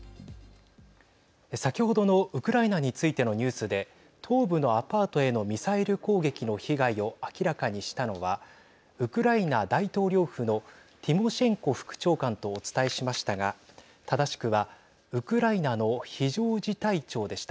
先ほどのウクライナについてのニュースで東部のアパートへのミサイル攻撃の被害を明らかにしたのはウクライナ大統領府のティモシェンコ副長官とお伝えしましたが正しくはウクライナの非常事態庁でした。